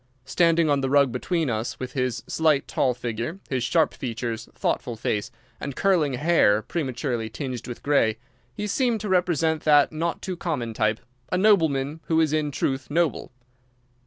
Standing on the rug between us, with his slight, tall figure, his sharp features, thoughtful face, and curling hair prematurely tinged with grey, he seemed to represent that not too common type, a nobleman who is in truth noble.